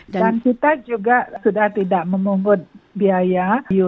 dan kita juga sudah tidak memungut biaya